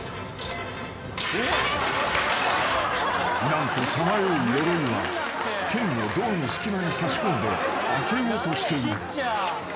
［何とさまようヨロイは剣をドアの隙間に差し込んで開けようとしている］